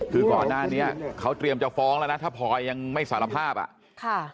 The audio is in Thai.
คือก่อนหน้านี้เขาเตรียมจะฟ้องแล้วนะถ้าพลอยยังไม่สารภาพอ่ะค่ะ